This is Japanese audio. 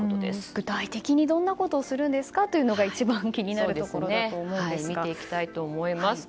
具体的にどんなことをするんですか？というのが一番気になるところだと思うんですが。